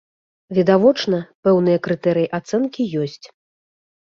Відавочна, пэўныя крытэрыі ацэнкі ёсць.